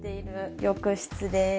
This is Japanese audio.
浴室です。